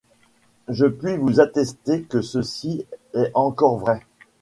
Je puis vous attester que ceci est encore vrai.